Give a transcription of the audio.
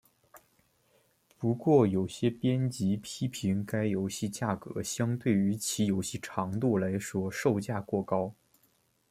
不过有些编辑批评该游戏价格相对于其游戏长度来说售价过高。